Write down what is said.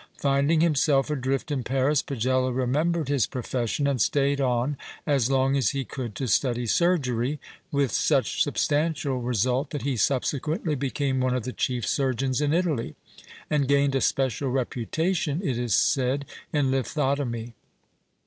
Finding himself adrift in Paris, Pagello remembered his profession, and stayed on as long as he could to study surgery, with such sub stantial result that he subsequently became one of the chief surgeons in Italy, and gained a special reputation, it is said, in lithotomy.